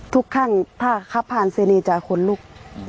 ทุกข้างถ้าคับผ่านเสนีย์จะเป็นคนลูก